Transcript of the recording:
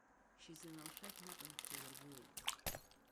Шьазина лшәақь наҟ иныкҿалыргылеит.